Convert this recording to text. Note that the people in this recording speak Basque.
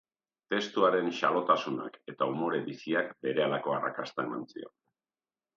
Testu haren xalotasunak eta umore biziak berehalako arrakasta eman zion.